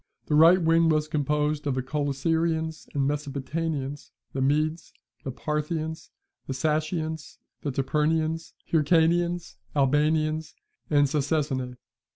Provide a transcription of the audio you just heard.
The right wing was composed of the Coelosyrians and Mesopotamians, the Medes, the Parthians, the Sacians, the Tapurians, Hyrcanians, Albanians, and Sacesinae.